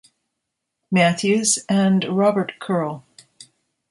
Matthews, and Robert Curl.